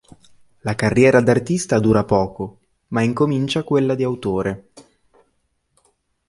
La carriera da artista dura poco ma incomincia quella di autore.